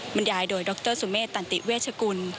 บรรยายโดยดรสุเมษตันติเวชกุล